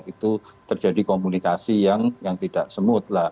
itu terjadi komunikasi yang tidak semut lah